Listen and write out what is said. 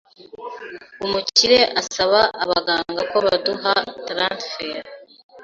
umukire asaba abaganga ko baduha transfert